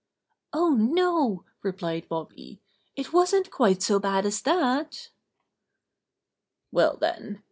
"Oh, no!" replied Bobby. "It wasn't quite so bad as that." "Well, then.